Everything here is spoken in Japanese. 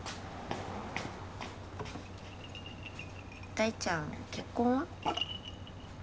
大ちゃん結婚は？